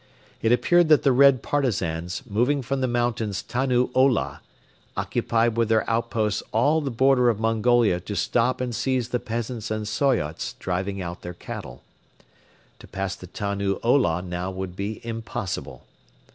It appeared that the Red Partisans, moving from the mountains Tannu Ola, occupied with their outposts all the border of Mongolia to stop and seize the peasants and Soyots driving out their cattle. To pass the Tannu Ola now would be impossible.